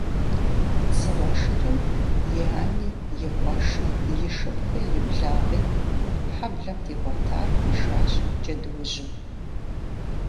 Дзыгъуэ шырым и ани, и къуэши, и шыпхъуи, и благъи, хьэблэм дигъуэтар хуишащ джэдуужьым.